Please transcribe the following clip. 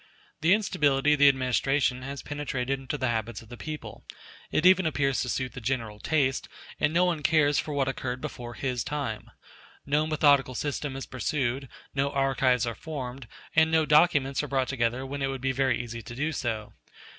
The instability of the administration has penetrated into the habits of the people: it even appears to suit the general taste, and no one cares for what occurred before his time. No methodical system is pursued; no archives are formed; and no documents are brought together when it would be very easy to do so.